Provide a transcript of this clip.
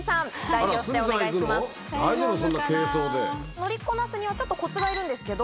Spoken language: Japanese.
乗りこなすにはちょっとコツがいるんですけど。